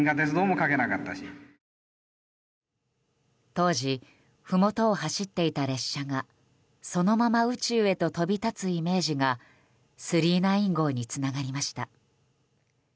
当時ふもとを走っていた列車がそのまま宇宙へと飛び立つイメージが「９９９号」につながりました。